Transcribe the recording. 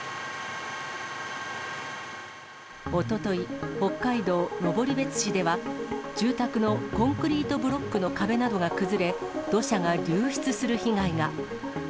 おととい、北海道登別市では、住宅のコンクリートブロックの壁などが崩れ、土砂が流出する被害が。